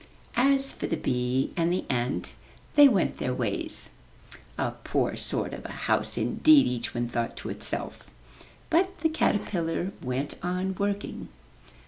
As for the bee and the ant they went their ways. ' 'A poor sort of a house indeed ,'' each one thought to itself. But the caterpillar went on working.